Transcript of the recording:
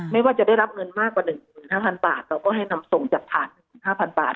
ไม่ว่าจะได้รับเงินมากกว่า๑๕๐๐บาทเราก็ให้นำส่งจากผ่าน๑๕๐๐บาท